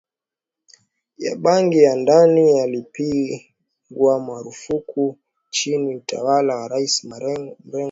ya bangi ya ndani yalipigwa marufuku chini ya utawala wa rais mrengo wa